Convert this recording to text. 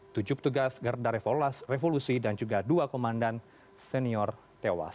tujuh petugas garda revolusi dan juga dua komandan senior tewas